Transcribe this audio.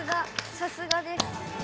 さすがです。